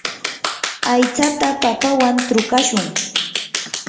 aytsata papawan trukashun.